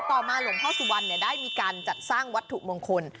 ต่อมาหลวงพ่อสุวรรณได้มีการจัดสร้างวัตถุมงคล